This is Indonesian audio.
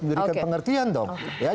memberikan pengertian dong